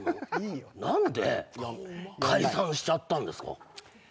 何で解散しちゃったんですか？